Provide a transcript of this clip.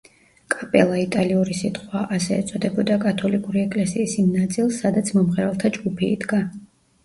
კაპელა იტალიური სიტყვაა, ასე ეწოდებოდა კათოლიკური ეკლესიის იმ ნაწილს, სადაც მომღერალთა ჯგუფი იდგა.